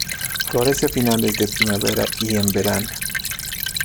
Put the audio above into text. Florece a finales de primavera y en verano.